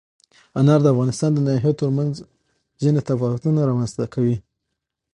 انار د افغانستان د ناحیو ترمنځ ځینې تفاوتونه رامنځ ته کوي.